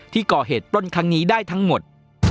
ที่ก่อเหตุปล้นครั้งนี้ได้ทั้งหมด